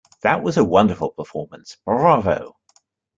That was a wonderful performance! Bravo!.